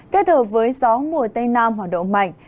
kết hợp với gió mùa tây nam hoạt động mạnh